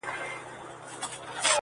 پلار ویله د قاضي کمال څرګند سو,